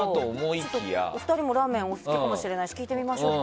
２人もラーメンお好きかもしれないし聞いてみましょう。